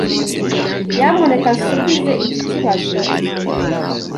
Nyamuneka nsubize iki kibazo.